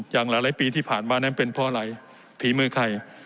อย่างหลายปีที่ผ่านมานั้นเป็นเพราะอะไรฝีมือใคร